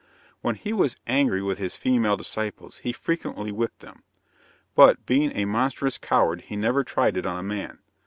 When he was angry with his female disciples, he frequently whipped them; but, being a monstrous coward, he never tried it on a man.